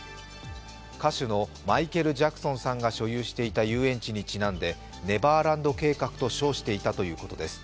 歌手のマイケル・ジャクソンさんが所有していた遊園地にちなんでネバーランド計画と称していたということです。